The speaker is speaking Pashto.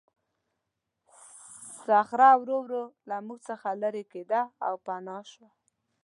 صخره ورو ورو له موږ څخه لیرې کېده او پناه شوه.